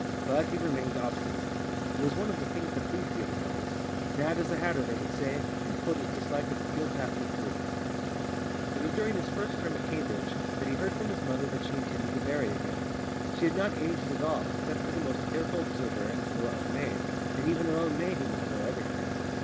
But he remained obstinate. It was one of the things that pleased the other boys. "Mad as a hatter," they would say, and quote his dislike of the field path in proof. It was during his first term at Cambridge that he heard from his mother that she intended to marry again. She had not aged at all, except to the most careful observer and to her own maid, and even her own maid did not know everything.